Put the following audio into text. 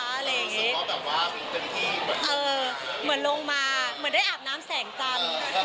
อะไรอย่างเงี้ยเหมือนลงมาเหมือนได้อาบน้ำแสงจันทร์